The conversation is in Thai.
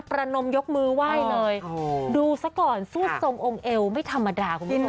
นมยกมือไหว้เลยดูซะก่อนซูดทรงองค์เอวไม่ธรรมดาคุณผู้ชม